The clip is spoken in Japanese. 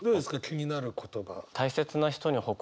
気になる言葉。